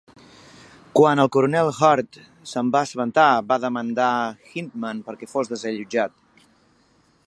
Quan el coronel Hurd se'n va assabentar, va demandar Hyndman perquè fos desallotjat.